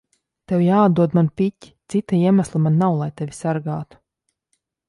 Tev jāatdod man piķi. Cita iemesla man nav, lai tevi sargātu.